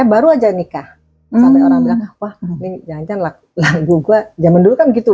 baru aja nikah sampai orang bilang wah ini jangan jangan lagu gue zaman dulu kan gitu